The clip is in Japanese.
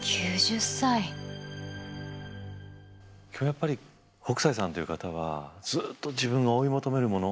やっぱり北斎さんという方はずっと自分が追い求めるもの。